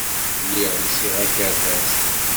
Lliɣ lsiɣ akerbas.